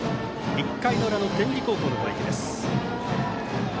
１回の裏、天理高校の攻撃です。